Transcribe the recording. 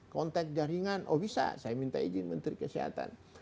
kontak jaringan oh bisa saya minta izin menteri kesehatan